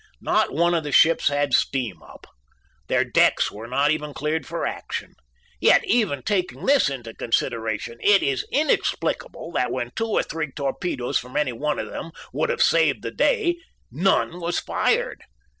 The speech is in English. Not one of the ships had steam up. Their decks were not even cleared for action. Yet, even taking this into consideration, it is inexplicable that, when two or three torpedoes from any one of them would have saved the day, none was fired.